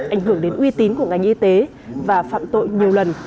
ảnh hưởng đến uy tín của ngành y tế và phạm tội nhiều lần